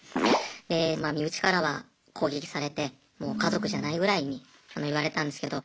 で身内からは攻撃されてもう家族じゃないぐらいに言われたんですけど。